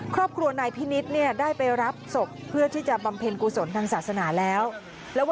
ครอบครัวนายพินิษฐ์เนี่ยได้ไปรับศพเพื่อที่จะบำเพ็ญกุศลทางศาสนาแล้ว